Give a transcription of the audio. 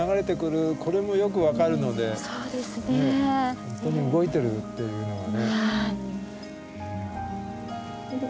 本当に動いてるっていうのがね。